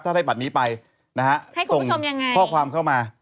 ถ้าได้บัตรนี้ไปนะฮะส่งข้อความเข้ามา